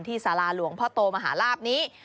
สาราหลวงพ่อโตมหาลาบนี้